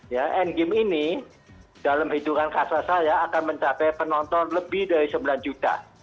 ya end game ini dalam hitungan kasa saya akan mencapai penonton lebih dari sembilan juta